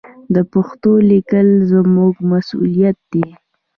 د پښتو لیکل زموږ مسوولیت دی.